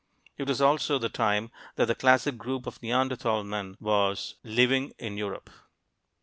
It was also the time that the classic group of Neanderthal men was living in Europe.